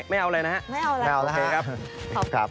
ไม่เอาละครับ